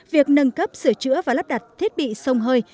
việc nâng cấp sửa chữa và lắp đặt thiết bị sông hơi